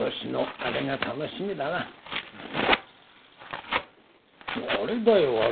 あれだよあれ！